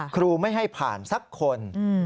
ครูไม่ให้ผ่านสักคน